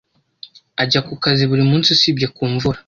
Ajya ku kazi buri munsi usibye ku mvura.